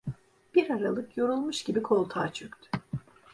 Bir aralık yorulmuş gibi koltuğa çöktü.